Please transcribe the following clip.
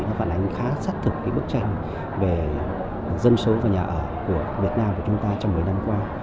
nó phản ánh khá sát thực cái bức tranh về dân số và nhà ở của việt nam và chúng ta trong mấy năm qua